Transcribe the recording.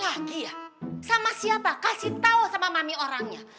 lagi ya sama siapa kasih tau sama mami orangnya